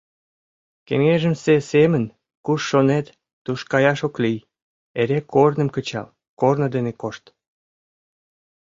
Кеҥежымсе семын, куш шонет, туш каяш ок лий, эре корным кычал, корно дене кошт.